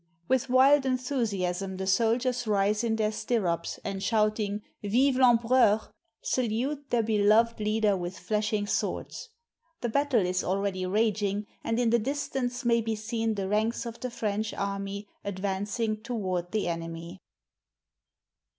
With wild enthusiasm the soldiers rise in their stirrups and shouting, "Vive I'Empereur," salute their beloved leader with flashing swords. The battle is al ready raging and in the distance may be seen the ranks of the French army advancing toward the enemy.